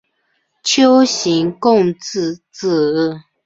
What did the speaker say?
丘行恭之子。